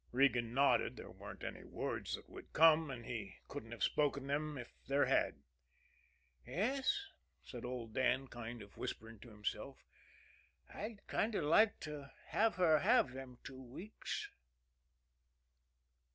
Regan nodded there weren't any words that would come, and he couldn't have spoken them if there had. "Yes," said old Dan, sort of whispering to himself, "I'd kind of like to have her have them two weeks."